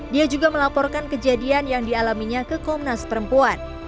dia juga melaporkan kejadian yang dialaminya ke komnas perempuan